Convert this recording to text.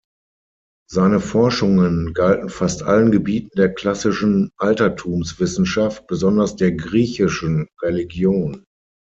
Seine Forschungen galten fast allen Gebieten der klassischen Altertumswissenschaft, besonders der griechischen Religion.